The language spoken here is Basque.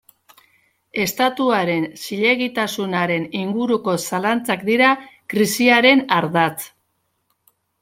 Estatuaren zilegitasunaren inguruko zalantzak dira krisiaren ardatz.